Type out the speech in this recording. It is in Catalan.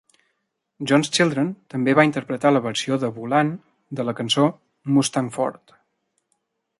John's Children també va interpretar la versió de Bolan de la cançó "Mustang Ford".